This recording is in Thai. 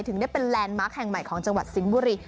ถึงได้เป็นแลนด์มาร์คแห่งใหม่ของจังหวัดสิงห์บุรี